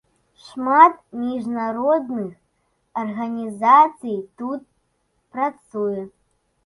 Шмат міжнародных арганізацый тут працуе.